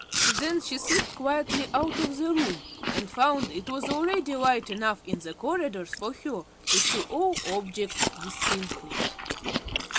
Then she slipped quietly out of the room and found it was already light enough in the corridors for her to see all objects distinctly.